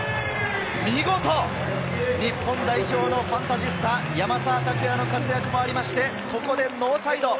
見事、日本代表のファンタジスタ・山沢拓也の活躍もありまして、ここでノーサイド。